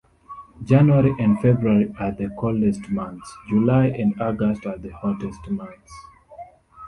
January and February are the coldest months, July and August are the hottest months.